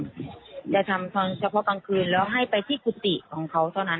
จะทำเฉพาะกลางคืนแล้วให้ไปที่กุฏิของเขาเท่านั้น